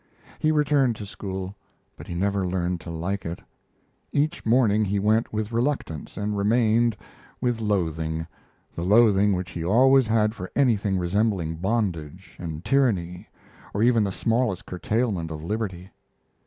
He returned to school, but he never learned to like it. Each morning he went with reluctance and remained with loathing the loathing which he always had for anything resembling bondage and tyranny or even the smallest curtailment of liberty.